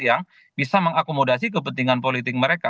yang bisa mengakomodasi kepentingan politik mereka